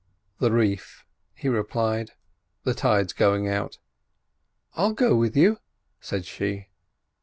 "The reef," he replied. "The tide's going out." "I'll go with you," said she.